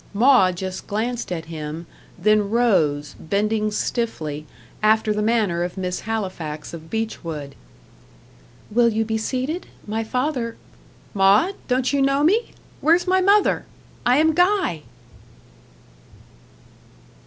Maud just glanced at him, then rose, bending stiffly, after the manner of Miss Halifax of Beechwood. "Will you be seated? My father " "Maud, don't you know me? Where's my mother? I am Guy."